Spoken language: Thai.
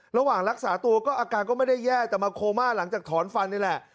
ระหว่างรักษาตัวก็อาการก็ไม่ได้แย่แต่มาโคม่าหลังจากถอนฟันนี่แหละ